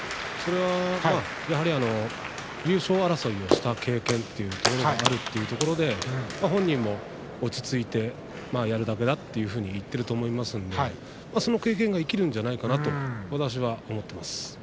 それはやはり優勝争いをした経験があるということで本人も落ち着いてやるだけだというふうに言っているんだと思いますのでその経験が生きるんじゃないかなと私は思っています。